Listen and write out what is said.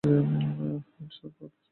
Handshake করতে পছন্দ করে।